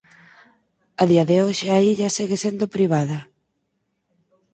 A día de hoxe a illa segue sendo privada.